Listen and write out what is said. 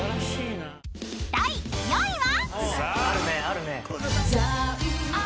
［第４位は？］